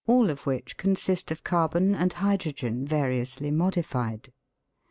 all of which consist of carbon and hydrogen variously modified.